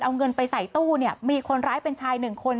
เอาเงินไปใส่ตู้เนี่ยมีคนร้ายเป็นชายหนึ่งคน